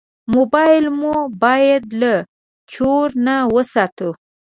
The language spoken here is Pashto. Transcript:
موبایل مو باید له چور نه وساتو.